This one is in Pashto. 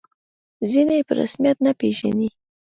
ځینې یې په رسمیت نه پېژني.